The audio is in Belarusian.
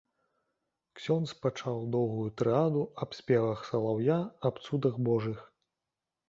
Ксёндз пачаў доўгую тыраду аб спевах салаўя, аб цудах божых.